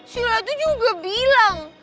stila tuh juga bilang